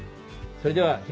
それでは。